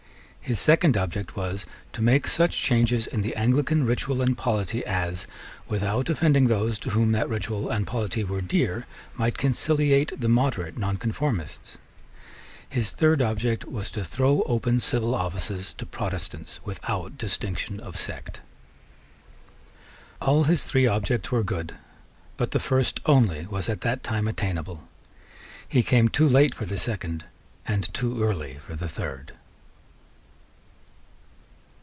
His second object was to make such changes in the Anglican ritual and polity as, without offending those to whom that ritual and polity were dear, might conciliate the moderate nonconformists. His third object was to throw open civil offices to Protestants without distinction of sect. All his three objects were good; but the first only was at that time attainable. He came too late for the second, and too early for the third.